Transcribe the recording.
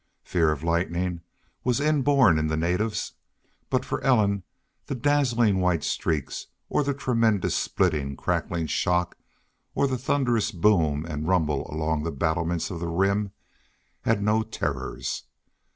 Fear of lightning was inborn in the natives, but for Ellen the dazzling white streaks or the tremendous splitting, crackling shock, or the thunderous boom and rumble along the battlements of the Rim had no terrors.